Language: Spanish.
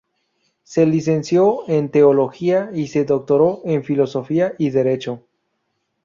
Se licenció en Teología y se doctoró en Filosofía y Derecho.